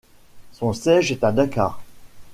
Son siège est à Dakar.